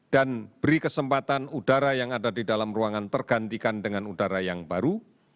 dan beri kesempatan udara yang ada di dalam ruangan tergantikan dengan udara yang baru